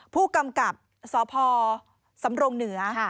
ผู้กำกับสพสำรงเหนือ